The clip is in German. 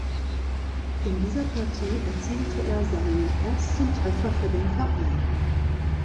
In dieser Partie erzielte er seinen ersten Treffer für den Verein.